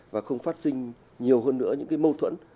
và không phát sinh nhiều hơn nữa những cái mâu thuẫn